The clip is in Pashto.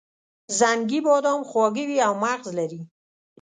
زنګي بادام خواږه وي او مغز لري.